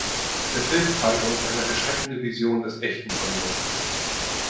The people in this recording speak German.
Der Film zeige uns eine erschreckende Vision des echten Hollywood.